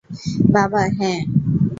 বাবা, হ্যাঁঁ।